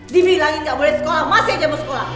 dimiliki lagi gak boleh sekolah masih aja mau sekolah